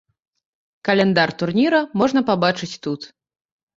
Каляндар турніра можна пабачыць тут.